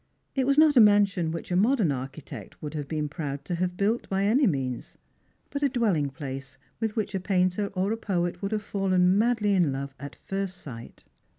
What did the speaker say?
It was not a mansion which a modern architect would have been 2 Strangers and Pilgrimi% proud to liave built, by any means, but a dwelling place witb whicli a painter or a poet would have fallen madly in love at first sight.